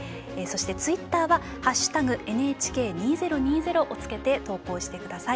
ツイッターは「＃ＮＨＫ２０２０」をつけて投稿してください。